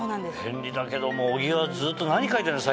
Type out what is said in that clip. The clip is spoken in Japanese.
便利だけども小木はずっと何書いてんの？